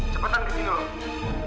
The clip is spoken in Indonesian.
cepetan kesini dulu